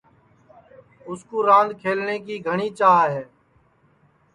اُس کُو راند کھلٹؔے کی گھٹؔی چاھ ہے